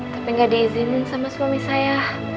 tapi nggak diizinin sama suami saya